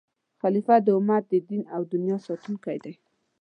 خلیفه د امت د دین او دنیا ساتونکی دی.